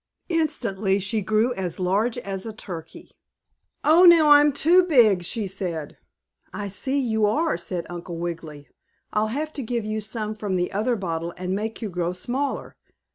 Instantly she grew as large as a turkey. "Oh, now I'm too big," she said. "I see you are," said Uncle Wiggily. "I'll have to give you some from the other bottle and make you grow smaller."